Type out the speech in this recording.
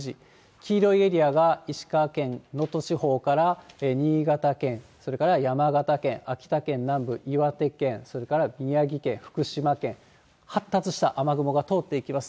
黄色いエリアが石川県能登地方から新潟県、それから山形県、秋田県南部、岩手県、それから宮城県、福島県、発達した雨雲が通っていきます。